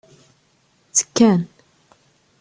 Ttekkan.